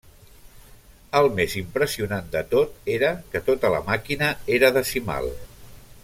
El més impressionant de tot era que tota la màquina era decimal.